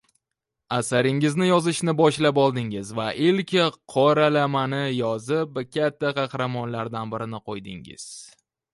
Asaringizni yozishni boshlab oldingiz va ilk qoralamani yozib katta qadamlardan birini qo’ydingiz